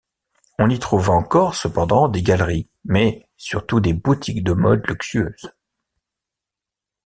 On y trouve encore cependant des galeries, mais surtout des boutiques de mode luxueuses.